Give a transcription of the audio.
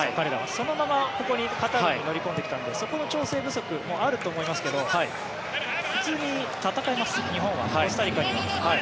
そのままここ、カタールに乗り込んできたのでそこの調整不足もあると思いますけど普通に戦えます、日本はコスタリカには。